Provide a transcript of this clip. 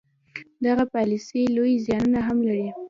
دغه پالیسي لوی زیانونه هم لري.